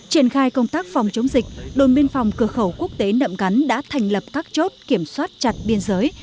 trong thời gian khai công tác phòng chống dịch đồn biên phòng cửa khẩu quốc tế nậm gắn đã thành lập các chốt kiểm soát chặt biên giới